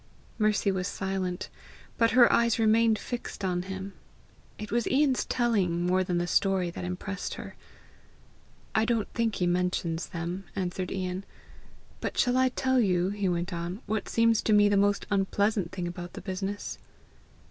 Mercy was silent, but her eyes remained fixed on him. It was Ian's telling, more than the story, that impressed her. "I don't think he mentions them," answered Ian. "But shall I tell you," he went on, "what seems to me the most unpleasant thing about the business?"